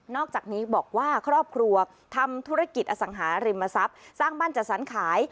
อกจากนี้บอกว่าครอบครัวทำธุรกิจอสังหาริมทรัพย์สร้างบ้านจัดสรรขาย